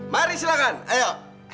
mari silahkan ayo